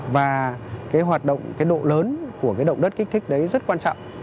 và cái hoạt động cái độ lớn của cái động đất kích thích đấy rất quan trọng